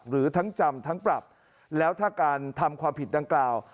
หรือทั้งจำทั้งปรับแล้วถ้าการทำความผิดดังกล่าว